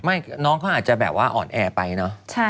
น้องเขาอาจจะแบบว่าอ่อนแอไปเนอะ